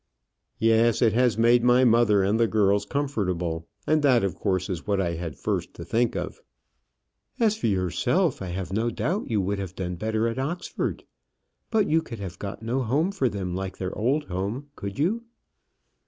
"Yes; it has made my mother and the girls comfortable; that, of course, is what I had first to think of." "As for yourself, I have no doubt you would have done better at Oxford. But you could have got no home for them like their old home; could you?"